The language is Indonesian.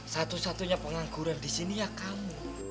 satu satunya pengangguran disini ya kamu